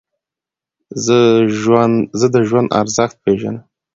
زه د ژوند ارزښت پېژنم.